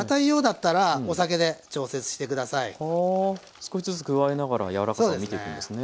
少しずつ加えながら柔らかさを見ていくんですね。